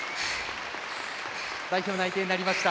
代表内定になりました。